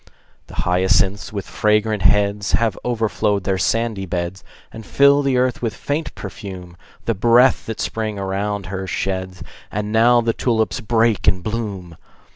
The hyacinths, with fragrant heads, Have overflowed their sandy beds, And fill the earth with faint perfume, The breath that Spring around her sheds. And now the tulips break in bloom!